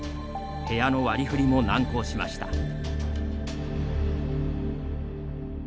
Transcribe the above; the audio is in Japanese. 部屋の割り振りも難航しました。